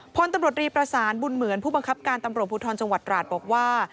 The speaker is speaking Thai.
พลตำรวจรีประสานบุญเหมือนผู้บังคับการตำรวจภูทรจังหวัดราชบอกว่า